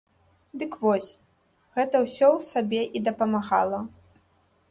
Дык вось, гэта ўсё ў сабе і дапамагала.